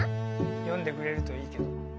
よんでくれるといいけど。